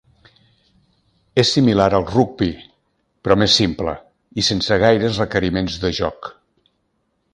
És similar al rugbi, però més simple, i sense gaires requeriments de joc.